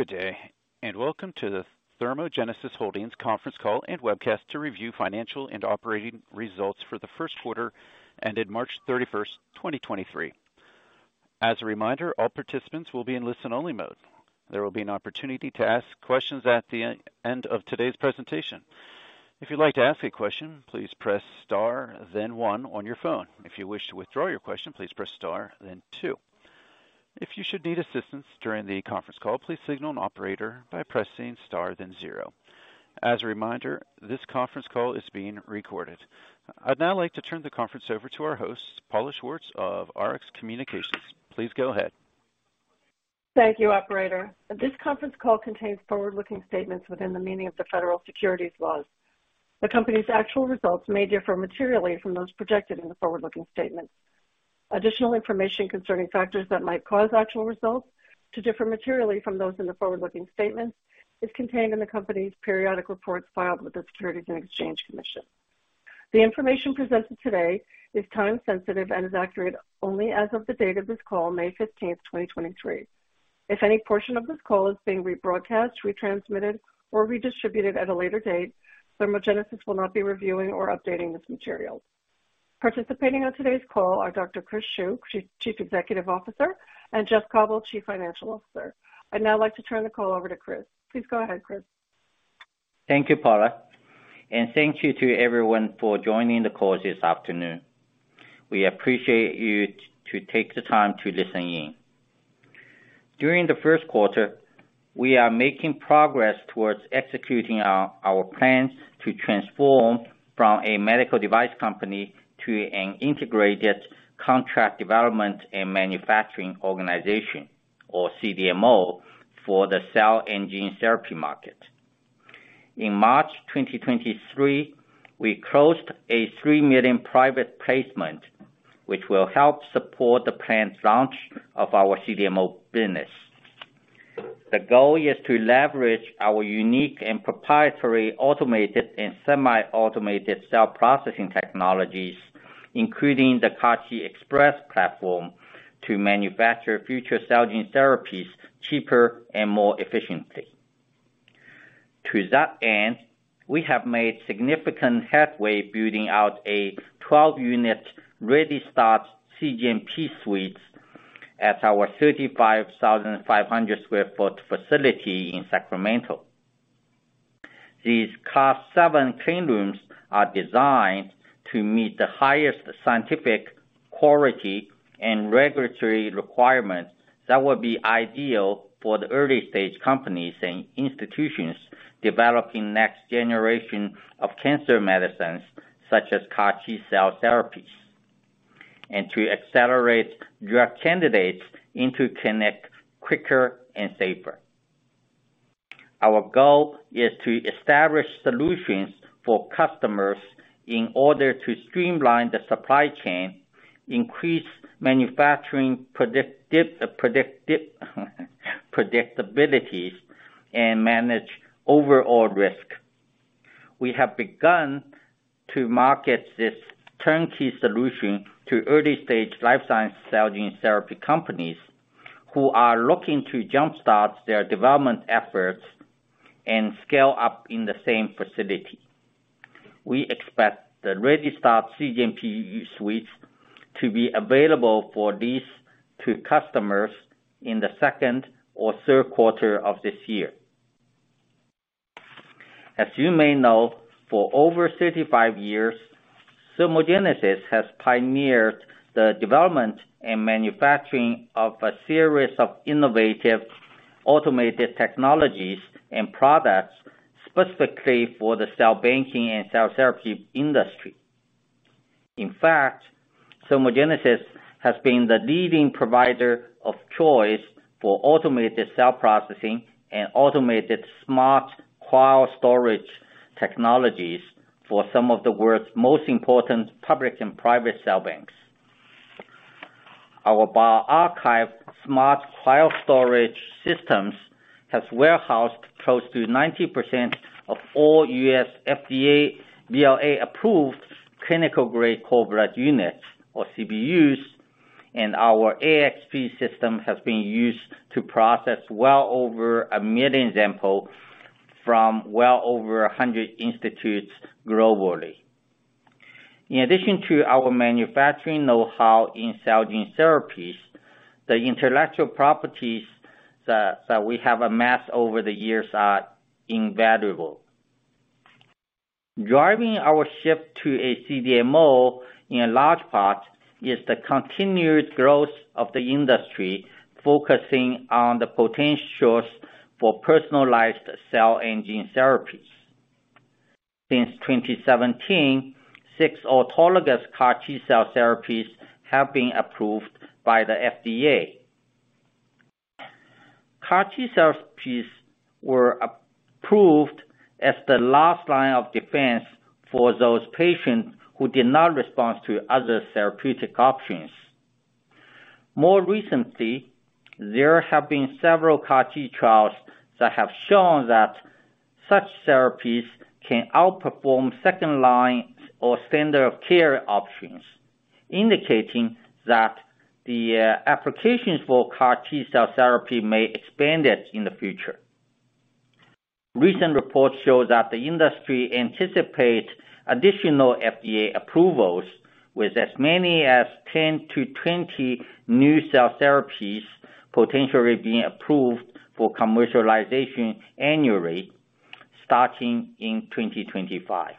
Good day, welcome to the ThermoGenesis Holdings conference call and webcast to review financial and operating results for the first quarter that ended March 31st, 2023. As a reminder, all participants will be in listen-only mode. There will be an opportunity to ask questions at the end of today's presentation. If you'd like to ask a question, please press Star, then one on your phone. If you wish to withdraw your question, please press Star, then two. If you should need assistance during the conference call, please signal an operator by pressing Star, then zero. As a reminder, this conference call is being recorded. I'd now like to turn the conference over to our host, Paula Schwartz of Rx Communications. Please go ahead. Thank you, operator. This conference call contains forward-looking statements within the meaning of the federal securities laws. The company's actual results may differ materially from those projected in the forward-looking statements. Additional information concerning factors that might cause actual results to differ materially from those in the forward-looking statements is contained in the company's periodic reports filed with the Securities and Exchange Commission. The information presented today is time sensitive and is accurate only as of the date of this call, May 15, 2023. If any portion of this call is being rebroadcast, retransmitted, or redistributed at a later date, ThermoGenesis will not be reviewing or updating this material. Participating on today's call are Dr. Chris Xu, Chief Executive Officer, and Jeff Cauble, Chief Financial Officer. I'd now like to turn the call over to Chris. Please go ahead, Chris. Thank you, Paula, and thank you to everyone for joining the call this afternoon. We appreciate you to take the time to listen in. During the first quarter, we are making progress towards executing our plans to transform from a medical device company to an integrated contract development and manufacturing organization, or CDMO, for the cell and gene therapy market. In March 2023, we closed a $3 million private placement, which will help support the planned launch of our CDMO business. The goal is to leverage our unique and proprietary automated and semi-automated cell processing technologies, including the CAR-TXpress platform, to manufacture future cell gene therapies cheaper and more efficiently. To that end, we have made significant headway building out a 12-unit ReadyStart cGMP Suites at our 35,500 sq ft facility in Sacramento. These class seven cleanrooms are designed to meet the highest scientific quality and regulatory requirements that would be ideal for the early-stage companies and institutions developing next generation of cancer medicines, such as CAR T-cell therapies, and to accelerate drug candidates into the clinic quicker and safer. Our goal is to establish solutions for customers in order to streamline the supply chain, increase manufacturing predictability, and manage overall risk. We have begun to market this turnkey solution to early-stage life science cell gene therapy companies who are looking to jump-start their development efforts and scale up in the same facility. We expect the ReadyStart cGMP Suites to be available for lease to customers in the second or third quarter of this year. As you may know, for over 35 years, ThermoGenesis has pioneered the development and manufacturing of a series of innovative automated technologies and products specifically for the cell banking and cell therapy industry. In fact, ThermoGenesis has been the leading provider of choice for automated cell processing and automated smart cryostorage technologies for some of the world's most important public and private cell banks. Our BioArchive smart cryostorage systems has warehoused close to 90% of all U.S. FDA BLA-approved clinical-grade Cord Blood Units or CBUs, Our AXP System has been used to process well over 1 million samples from well over 100 institutes globally. In addition to our manufacturing know-how in cell gene therapies, the intellectual properties that we have amassed over the years are invaluable. Driving our shift to a CDMO, in large part, is the continued growth of the industry, focusing on the potentials for personalized cell engine therapies. Since 2017, six autologous CAR T-cell therapies have been approved by the FDA. CAR T-cell therapies were approved as the last line of defense for those patients who did not respond to other therapeutic options. More recently, there have been several CAR T trials that have shown Such therapies can outperform second line or standard of care options, indicating that the applications for CAR T-cell therapy may expand it in the future. Recent reports show that the industry anticipates additional FDA approvals with as many as 10-20 new cell therapies potentially being approved for commercialization annually, starting in 2025.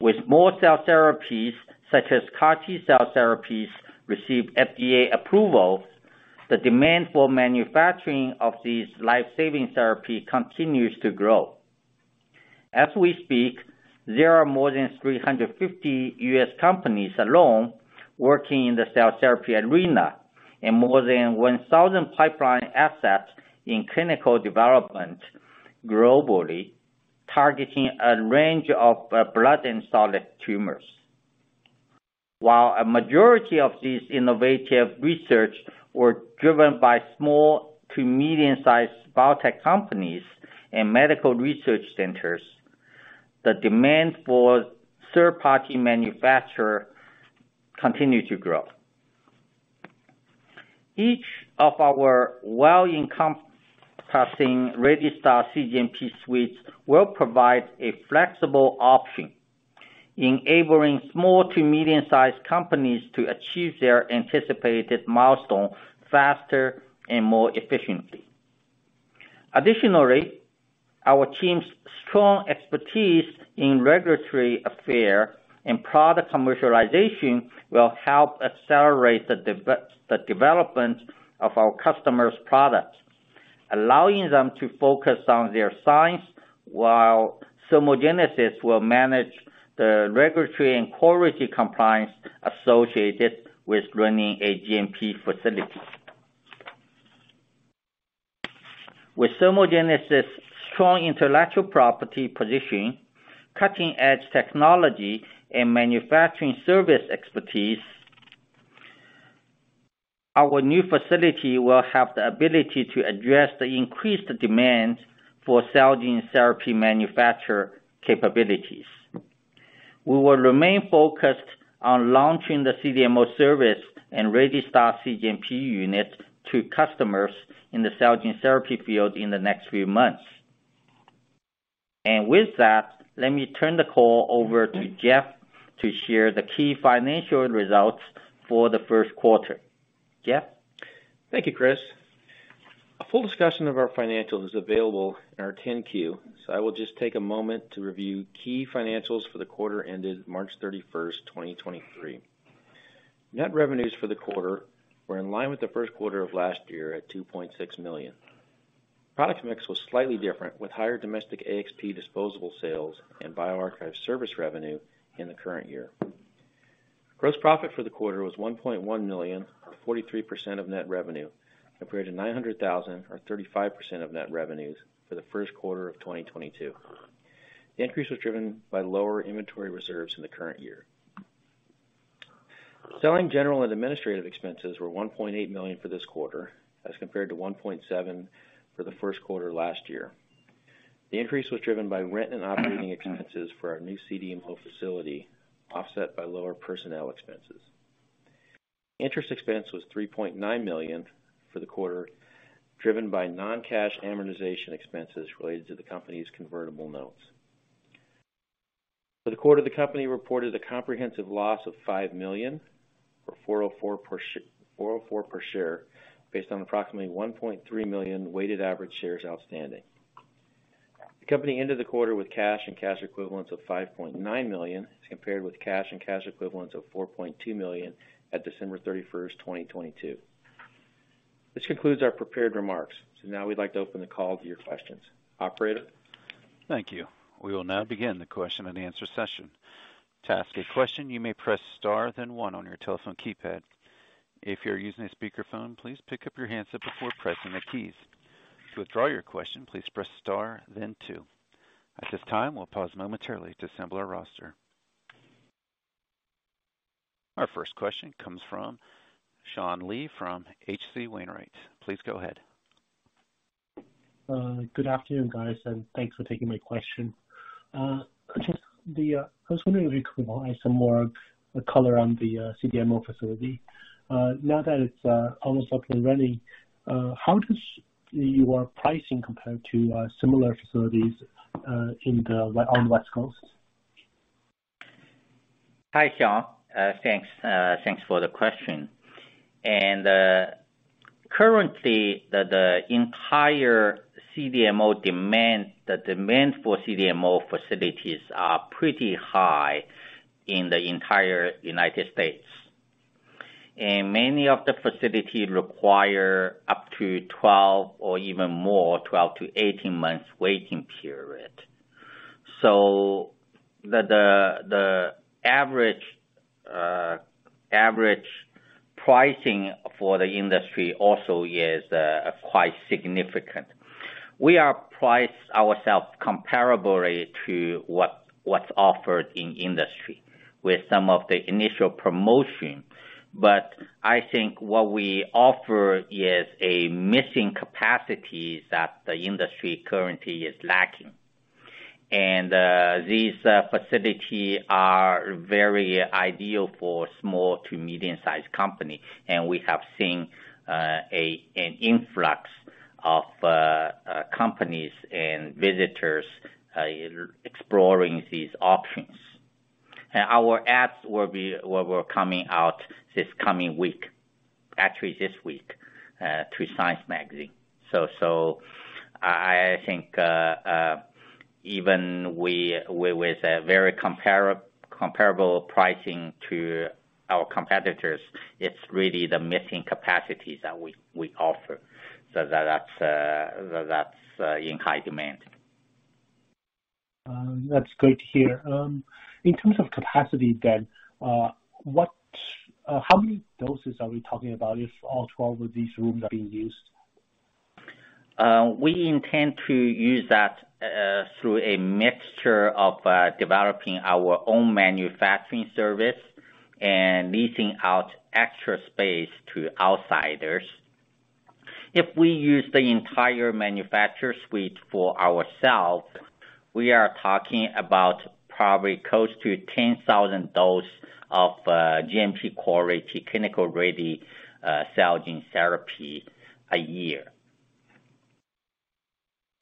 With more cell therapies, such as CAR T-cell therapies receive FDA approval, the demand for manufacturing of these life-saving therapy continues to grow. As we speak, there are more than 350 U.S. companies alone working in the cell therapy arena and more than 1,000 pipeline assets in clinical development globally, targeting a range of blood and solid tumors. While a majority of these innovative research were driven by small to medium-sized biotech companies and medical research centers, the demand for third-party manufacturer continue to grow. Each of our well-encompassing ReadyStart cGMP Suites will provide a flexible option, enabling small to medium-sized companies to achieve their anticipated milestone faster and more efficiently. Additionally, our team's strong expertise in regulatory affair and product commercialization will help accelerate the development of our customers' products, allowing them to focus on their science while ThermoGenesis will manage the regulatory and quality compliance associated with running a GMP facility. With ThermoGenesis' strong intellectual property position, cutting-edge technology and manufacturing service expertise, our new facility will have the ability to address the increased demand for cell gene therapy manufacture capabilities. We will remain focused on launching the CDMO service and ReadyStart cGMP Suites to customers in the cell gene therapy field in the next few months. With that, let me turn the call over to Jeff to share the key financial results for the first quarter. Jeff? Thank you, Chris. A full discussion of our financials is available in our Form 10-Q. I will just take a moment to review key financials for the quarter ended March 31st, 2023. Net revenues for the quarter were in line with the first quarter of last year at $2.6 million. Product mix was slightly different, with higher domestic AXP disposable sales and BioArchive service revenue in the current year. Gross profit for the quarter was $1.1 million, or 43% of net revenue, compared to $900,000 or 35% of net revenues for the first quarter of 2022. The increase was driven by lower inventory reserves in the current year. Selling general and administrative expenses were $1.8 million for this quarter as compared to $1.7 million for the first quarter last year. The increase was driven by rent and operating expenses for our new CDMO facility, offset by lower personnel expenses. Interest expense was $3.9 million for the quarter, driven by non-cash amortization expenses related to the company's convertible notes. The company reported a comprehensive loss of $5 million, or $4.04 per share, based on approximately 1.3 million weighted average shares outstanding. The company ended the quarter with cash and cash equivalents of $5.9 million, as compared with cash and cash equivalents of $4.2 million at December 31st, 2022. This concludes our prepared remarks. Now we'd like to open the call to your questions. Operator? Thank you. We will now begin the question and answer session. To ask a question, you may press star, then one on your telephone keypad. If you're using a speaker phone, please pick up your handset before pressing the keys. To withdraw your question, please press star, then two. At this time, we'll pause momentarily to assemble our roster. Our first question comes from Sean Lee from H.C. Wainwright. Please go ahead. Good afternoon, guys, and thanks for taking my question. Just I was wondering if you could provide some more color on the CDMO facility. Now that it's almost up and running, how does your pricing compare to similar facilities on the West Coast? Hi, Sean. Thanks. Thanks for the question. Currently, the entire CDMO demand, the demand for CDMO facilities are pretty high in the entire U.S.. Many of the facility require up to 12 or even more, 12-18 months waiting period. The average pricing for the industry also is quite significant. We are priced ourselves comparably to what's offered in industry with some of the initial promotion, but I think what we offer is a missing capacities that the industry currently is lacking. These facility are very ideal for small to medium sized company. We have seen an influx of companies and visitors exploring these options. Our ads will be coming out this coming week, actually this week, through Science Magazine. I think even we, with a very comparable pricing to our competitors, it's really the missing capacities that we offer. That's in high demand. That's great to hear. In terms of capacity then, how many doses are we talking about if all 12 of these rooms are being used? We intend to use that through a mixture of developing our own manufacturing service and leasing out extra space to outsiders. If we use the entire manufacturer suite for ourselves, we are talking about probably close to 10,000 dose of GMP quality, clinical-ready, cell gene therapy a year.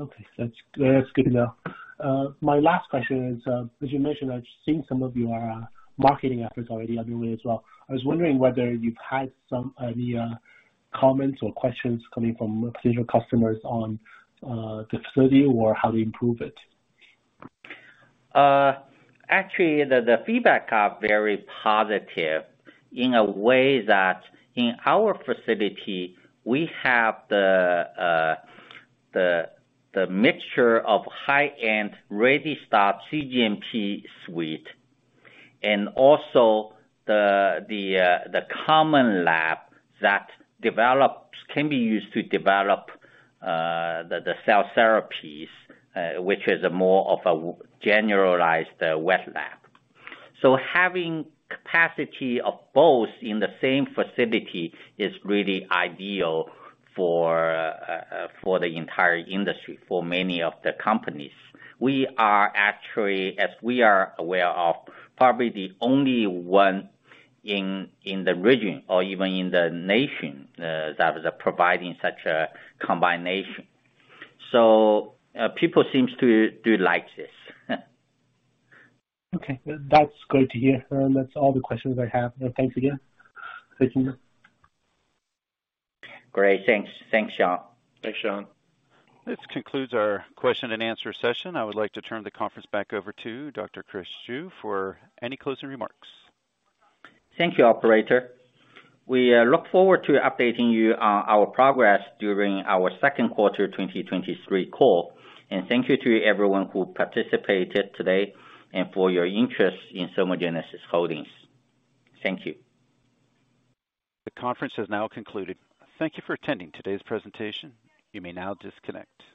Okay, that's good to know. My last question is, as you mentioned, I've seen some of your marketing efforts already underway as well. I was wondering whether you've had some of the comments or questions coming from potential customers on the facility or how to improve it. Actually, the feedback are very positive in a way that in our facility, we have the mixture of high-end ReadyStart cGMP Suite, and also the common lab that can be used to develop the cell therapies, which is a more of a generalized wet lab. Having capacity of both in the same facility is really ideal for the entire industry, for many of the companies. We are actually, as we are aware of, probably the only one in the region or even in the nation that is providing such a combination. People seems to like this. Okay. That's great to hear. That's all the questions I have. Thanks again. Great. Thanks. Thanks, Sean. Thanks, Sean. This concludes our question and answer session. I would like to turn the conference back over to Dr. Chris Xu for any closing remarks. Thank you, operator. We look forward to updating you on our progress during our second quarter 2023 call. Thank you to everyone who participated today and for your interest in ThermoGenesis Holdings. Thank you. The conference has now concluded. Thank you for attending today's presentation. You may now disconnect.